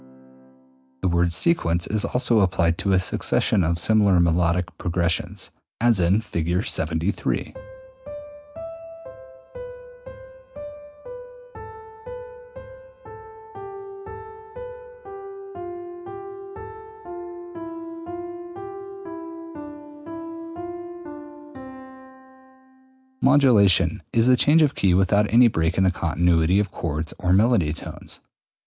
] The word sequence is also applied to a succession of similar melodic progressions, as in Fig. 73. [Illustration: Fig. 73.] 209. Modulation is a change of key without any break in the continuity of chords or melody tones.